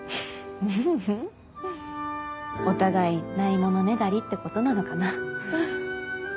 ううん。お互いないものねだりってことなのかな。